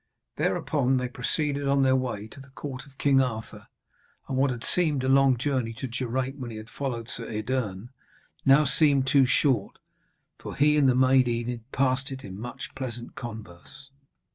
Thereupon they proceeded on their way to the court of King Arthur, and what had seemed a long journey to Geraint when he had followed Sir Edern, now seemed too short, for he and the maid Enid passed it in much pleasant converse.